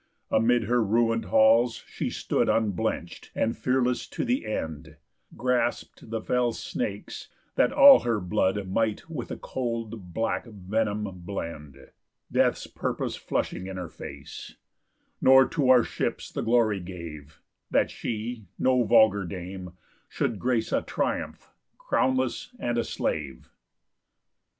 Amid her ruin'd halls she stood Unblench'd, and fearless to the end Grasp'd the fell snakes, that all her blood Might with the cold black venom blend, Death's purpose flushing in her face; Nor to our ships the glory gave, That she, no vulgar dame, should grace A triumph, crownless, and a slave.